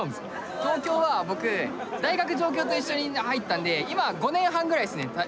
東京は僕大学上京と一緒に入ったんで今５年半ぐらいっすね東京来てから６年か。